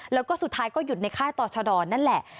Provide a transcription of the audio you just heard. แล้วก็สุดท้ายก็หยุดในค่ายต่อชะดอนนั่นแหละ